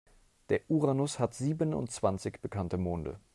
Der Uranus hat siebenundzwanzig bekannte Monde.